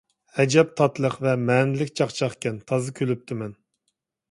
ئەجەب تاتلىق ۋە مەنىلىك چاقچاقكەن! تازا كۈلۈپتىمەن.